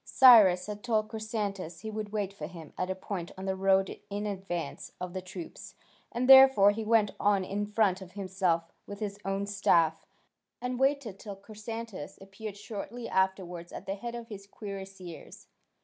Cyrus had told Chrysantas he would wait for him at a point on the road in advance of the troops, and therefore he went on in front himself with his own staff, and waited till Chrysantas appeared shortly afterwards at the head of his cuirassiers.